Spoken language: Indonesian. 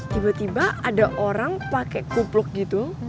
tiba tiba ada orang pakai kupluk gitu